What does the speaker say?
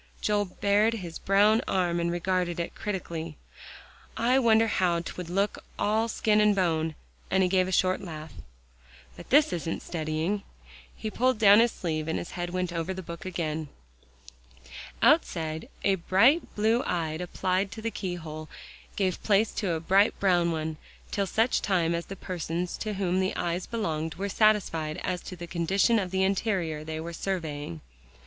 '" Joel bared his brown arm and regarded it critically. "I wonder how 'twould look all skin and bone," and he gave a short laugh. "But this isn't studying." He pulled down his sleeve, and his head went over the book again. Outside, a bright blue eye applied to the keyhole, gave place to a bright brown one, till such time as the persons to whom the eyes belonged, were satisfied as to the condition of the interior they were surveying.